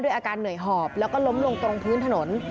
อาการเหนื่อยหอบแล้วก็ล้มลงตรงพื้นถนน